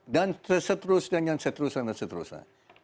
dan seterusnya dan seterusnya dan seterusnya